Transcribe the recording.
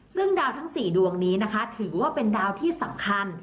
ซึ่งดาวทั้ง๔ดวงนี้นะคะถือว่าเป็นดาวที่สำคัญ